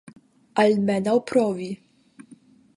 Almenaŭ provi.